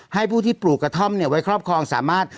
ให้ผู้ที่ปลูกกระท่อมไว้ครอบครองสามารถ